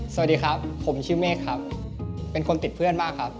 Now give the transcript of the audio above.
สวัสดีครับผมชื่อเมฆครับเป็นคนติดเพื่อนมากครับ